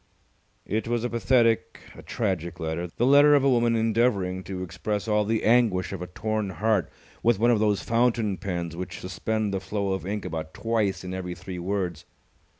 It was a pathetic, a tragic letter, the letter of a woman endeavouring to express all the anguish of a torn heart with one of those fountain pens which suspend the flow of ink about twice in every three words.